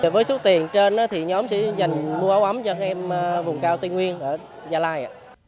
với số tiền trên thì nhóm sẽ dành mua áo ấm cho các em vùng cao tây nguyên ở gia lai